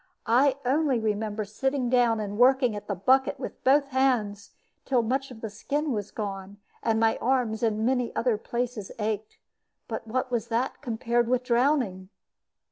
I only remember sitting down and working at the bucket with both hands, till much of the skin was gone, and my arms and many other places ached. But what was that to be compared with drowning?